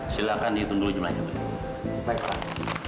silakan dihitung dulu jumlahnya baik pak